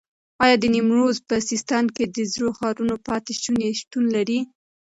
ایا د نیمروز په سیستان کې د زړو ښارونو پاتې شونې شتون لري؟